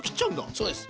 そうです。